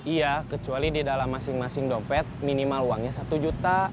iya kecuali di dalam masing masing dompet minimal uangnya satu juta